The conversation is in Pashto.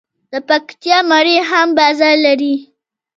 د پکتیا مڼې هم بازار لري.